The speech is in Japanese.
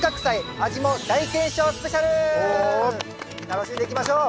楽しんでいきましょう。